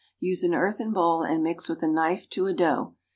Use an earthen bowl and mix with a knife to a dough.